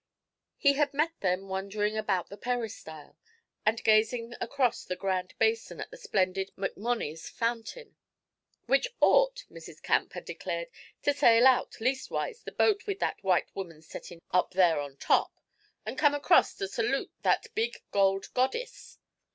He had met them wandering about the Peristyle, and gazing across the grand basin at the splendid MacMonnies Fountain. 'Which ort,' Mrs. Camp had declared, 'to sail out, leastwise, the boat with that white woman settin' up there on top, and come across to serlute that big gold goddiss.